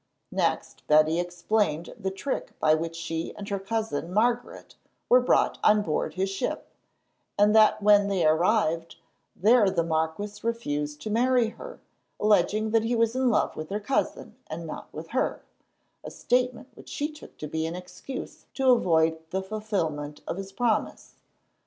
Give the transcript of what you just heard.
Next Betty explained the trick by which she and her cousin Margaret were brought on board his ship, and that when they arrived there the marquis refused to marry her, alleging that he was in love with her cousin and not with her—a statement which she took to be an excuse to avoid the fulfilment of his promise.